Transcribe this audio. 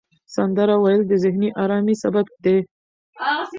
سندره ویل د ذهني آرامۍ سبب دی.